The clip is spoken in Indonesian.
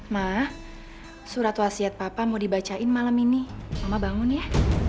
ma surat wasiat papa mau dibacain malam ini mama bangun ya